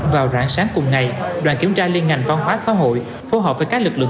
vào rạng sáng cùng ngày đoàn kiểm tra liên ngành văn hóa xã hội phù hợp với các lực lượng